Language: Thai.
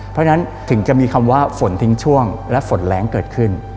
เพราะฉะนั้นถึงจะมีคำว่าฝนทิ้งช่วงและฝนแรงเกิดขึ้น